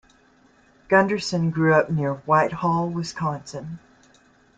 Gunderson grew up near Whitehall, Wisconsin.